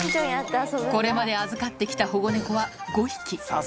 これまで預かってきた保護猫は５匹。